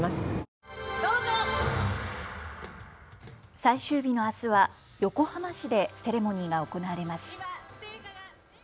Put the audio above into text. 最終日のあすは横浜市でセレモニーが行われます。